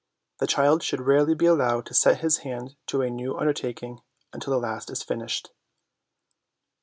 The child should rarely be allowed to set his hand to a new undertaking until the last is finished.